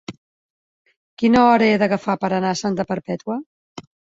Quina hora he d'agafar per anar a Santa Perpètua?